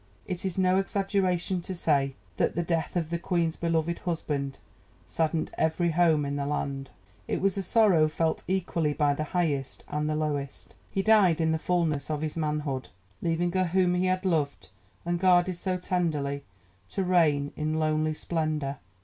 It is no exaggeration to say that the death of the Queen's beloved husband saddened every home in the land; it was a sorrow felt equally by the highest and the lowest. He died in the fulness of his manhood, leaving her whom he had loved and guarded so tenderly to reign in lonely splendour.